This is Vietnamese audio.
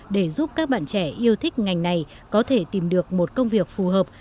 để giúp các bạn trẻ yêu thích ngành này có thể tìm được một công việc phù hợp